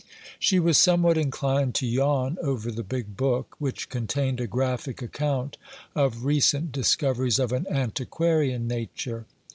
She was somewhat inclined to yawn over the big book, which contained a graphic account of recent discoveries of an antiquarian nature.